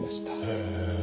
へえ。